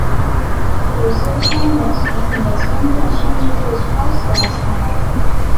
有些杉原千亩的签证甚至被抄写了下来。